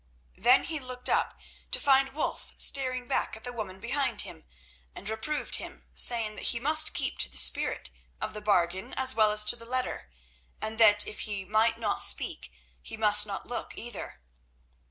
Then he looked up, to find Wulf staring back at the woman behind him, and reproved him, saying that he must keep to the spirit of the bargain as well as to the letter, and that if he might not speak he must not look either.